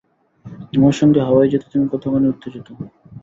আমার সঙ্গে হাওয়াই যেতে তুমি কতখানি উত্তেজিত?